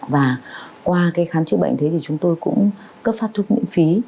và qua cái khám chữa bệnh thế thì chúng tôi cũng cấp phát thuốc miễn phí